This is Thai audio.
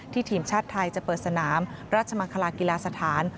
ทีมชาติไทยจะเปิดสนามราชมังคลากีฬาสถาน